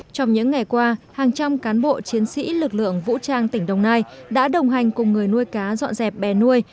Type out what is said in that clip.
trong những ngày qua hàng trăm cán bộ chiến sĩ lực lượng vũ trang tỉnh đồng nai đã đồng hành cùng người nuôi cá dọn dẹp bè nuôi